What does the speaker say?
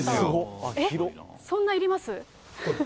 そんないります？